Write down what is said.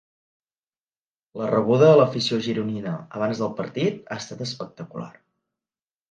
La rebuda de l’afició gironina abans del partit ha estat espectacular.